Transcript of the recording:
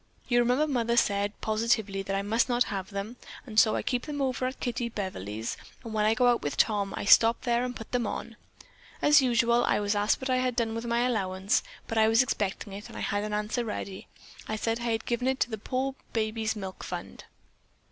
You remember Mother said positively that I must not have them, and so I keep them over at Kittie Beverly's, and when I go out with Tom, I stop there and put them on. As usual, I was asked what I had done with my allowance, but I was expecting it and had an answer ready. I said that I had given it to the poor babies' milk fund."